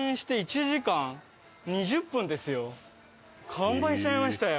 完売しちゃいましたよ。